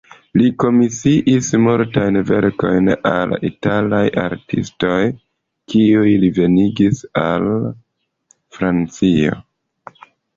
Li komisiis multajn verkojn al italaj artistoj, kiujn li venigis al Francio.